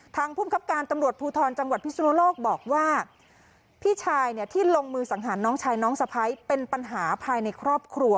ภูมิคับการตำรวจภูทรจังหวัดพิศนุโลกบอกว่าพี่ชายเนี่ยที่ลงมือสังหารน้องชายน้องสะพ้ายเป็นปัญหาภายในครอบครัว